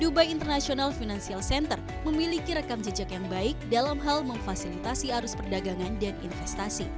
dubai international financial center memiliki rekam jejak yang baik dalam hal memfasilitasi arus perdagangan dan investasi